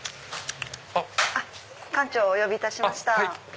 館長をお呼びいたしました。